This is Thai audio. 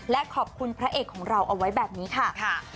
และขอบคุณพระเอกของเราเอาไว้แบบนี้ค่ะ